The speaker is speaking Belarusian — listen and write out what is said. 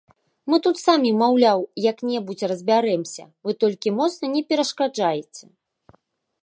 Мы тут самі, маўляў, як-небудзь разбярэмся, вы толькі моцна не перашкаджайце.